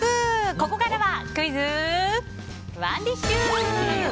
ここからはクイズＯｎｅＤｉｓｈ。